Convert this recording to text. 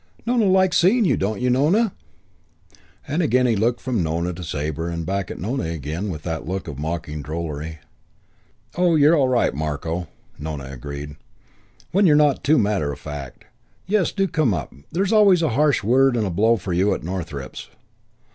Nona likes seeing you, don't you, Nona?" And again he looked from Nona to Sabre and back at Nona again with that look of mocking drollery. "Oh, you're all right, Marko," Nona agreed, "when you're not too matter of fact. Yes, do come up. There's always a harsh word and a blow for you at Northrepps."